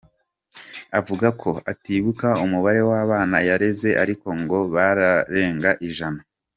Avuga ko atibuka umubare w’abana yareze ariko ngo barengaga ijana.